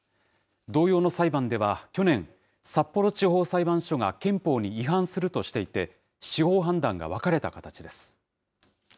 同様の裁判では去年、札幌地方裁判所が憲法に違反するとしていて、司法判断が分かれた形です。